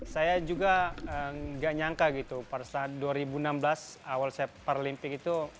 saya juga nggak nyangka gitu pada saat dua ribu enam belas awal saya paralimpik itu